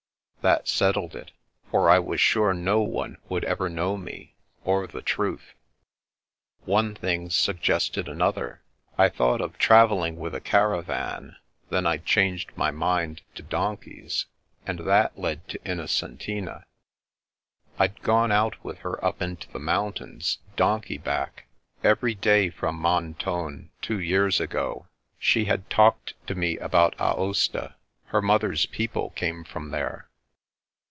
That settled it, for I was sure no one would ever know me, or the truth. One thing suggested another. I thought of travelling with a caravan — ^then I changed my mind to donkeys, and that led to Innocentina. I'd gone out with her up into the mountains, donkey back, every day from Mentone two years ago. She had talked to me about Aosta. Her mother's people came from tiiere.